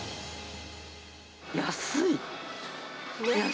安い。